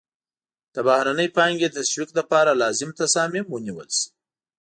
د بهرنۍ پانګې د تشویق لپاره لازم تصامیم ونیول شي.